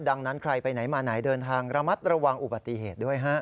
ดังนั้นใครไปไหนมาไหนเดินทางระมัดระวังอุบัติเหตุด้วยฮะ